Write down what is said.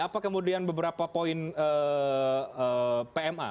apa kemudian beberapa poin pma